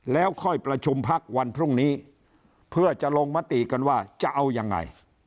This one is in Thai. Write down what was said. แล้วค่อยประชุมพักวันพรุ่งนี้เพื่อจะลงมติกันว่าจะเอายังไง